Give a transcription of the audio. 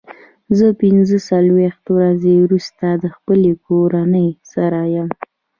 زه پنځه څلوېښت ورځې وروسته د خپلې کورنۍ سره یم.